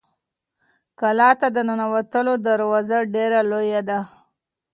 کلا ته د ننوتلو دروازه ډېره لویه ده.